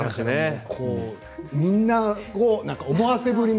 みんなね思わせぶりな。